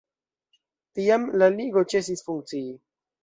Tiam la ligo ĉesis funkcii.